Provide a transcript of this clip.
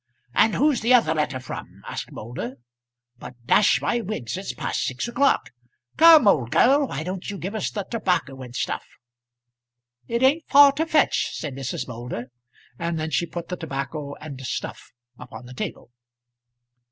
"And who's the other letter from?" asked Moulder. "But, dash my wigs, it's past six o'clock. Come, old girl, why don't you give us the tobacco and stuff?" "It ain't far to fetch," said Mrs. Moulder. And then she put the tobacco and "stuff" upon the table.